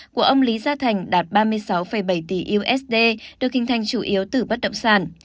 của ông lý gia thành đạt ba mươi sáu bảy tỷ usd được hình thành chủ yếu từ bất động sản